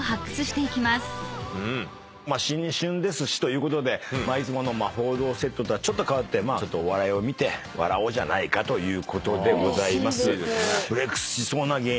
新春ですしということでいつもの報道セットとはちょっと変わってお笑いを見て笑おうじゃないかということです。